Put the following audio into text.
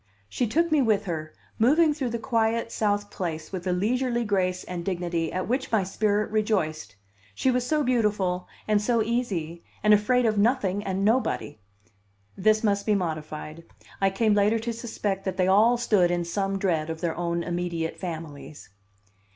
She took me with her, moving through the quiet South Place with a leisurely grace and dignity at which my spirit rejoiced; she was so beautiful, and so easy, and afraid of nothing and nobody! (This must be modified. I came later to suspect that they all stood in some dread of their own immediate families.)